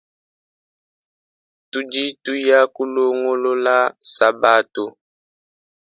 Tudi tuya kulongolola sabatu.